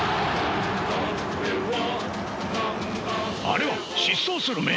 あれは疾走する眼！